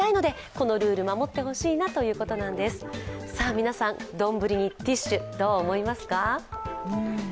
皆さん、丼にティッシュどう思いますか？